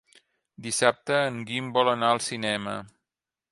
Dissabte en Guim vol anar al cinema.